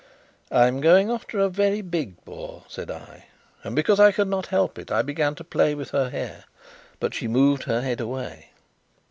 "I'm going after a very big boar," said I; and, because I could not help it, I began to play with her hair, but she moved her head away.